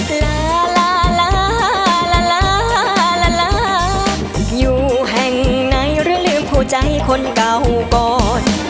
ลาลาลาลาลาลาลาอยู่แห่งไหนหรือลืมหัวใจคนเก่าก่อน